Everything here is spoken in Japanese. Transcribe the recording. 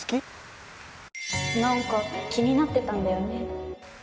なんか気になってたんだよね。